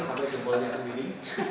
sampai jempolnya sendiri